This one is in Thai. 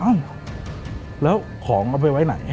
แล้วของเอาไปไว้ไหน